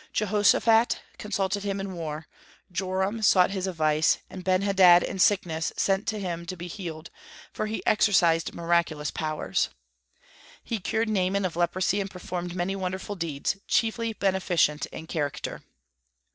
Jehoshaphat consulted him in war; Joram sought his advice, and Benhadad in sickness sent to him to be healed, for he exercised miraculous powers. He cured Naaman of leprosy and performed many wonderful deeds, chiefly beneficent in character.